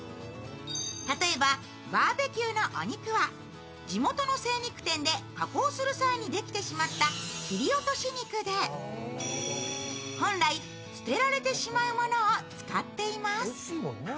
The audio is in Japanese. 例えば、バーベキューのお肉は地元の精肉店で加工する際にできてしまった切り落とし肉で本来、捨てられてしまうものを使っています。